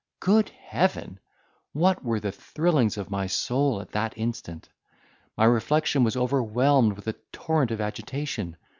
Good heaven! what were the thrillings of my soul at that instant! my reflection was overwhelmed with a torrent of agitation!